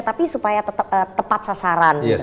tapi supaya tetap tepat sasaran